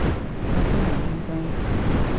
有啲難控制